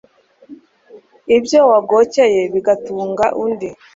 ibyo wagokeye bigatunga undi